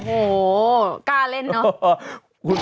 โอ้โหกล้าเล่นเนอะ